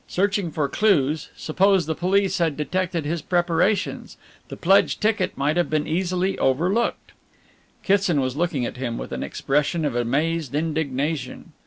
Searching for clues, suppose the police had detected his preparations, the pledged ticket might have been easily overlooked." Kitson was looking at him with an expression of amazed indignation.